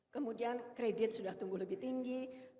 kemudian kredit sudah tumbuh lebih tinggi